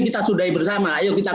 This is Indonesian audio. sebenarnya seperti quando ini